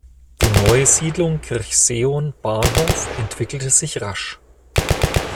Die neue Siedlung Kirchseeon-Bahnhof entwickelte sich rasch.